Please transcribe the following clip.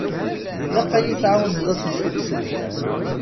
Ilaq ad yi-tɛawneḍ ad tent-id-sellkeɣ.